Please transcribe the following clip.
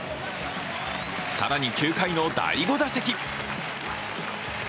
更に９回の第５打席。